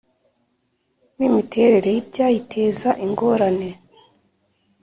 N imiterere y ibyayiteza ingorane